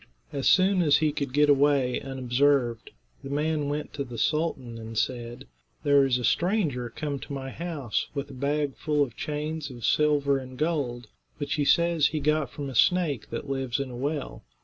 As soon as he could get away unobserved, the man went to the sultan and said: "There is a stranger come to my house with a bag full of chains of silver and gold, which he says he got from a snake that lives in a well.